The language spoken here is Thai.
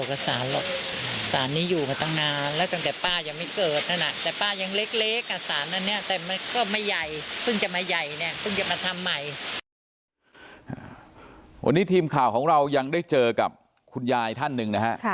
เวลาอย่างได้เจอกับคุณยายท่านหนึ่งนะฮะ